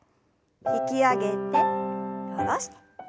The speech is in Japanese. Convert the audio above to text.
引き上げて下ろして。